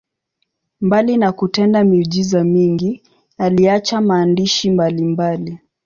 Mbali na kutenda miujiza mingi, aliacha maandishi mbalimbali.